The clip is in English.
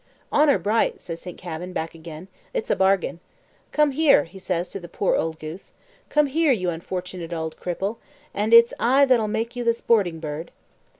"Honour bright!" says St. Kavin, back agin, "it's a bargain. Come here!" says he to the poor old goose "come here, you unfortunate ould cripple, and it's I that'll make you the sporting bird."